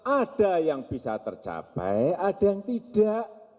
ada yang bisa tercapai ada yang tidak